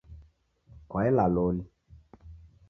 Kwaela loli